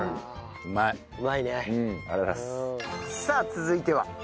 さあ続いては？